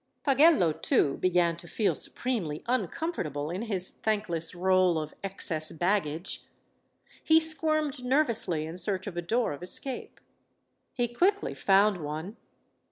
Pagello, too, began to feel supremely uncomfortable in his thankless role of excess baggage. He squirmed nervously in search of a door of escape. He quickly found one.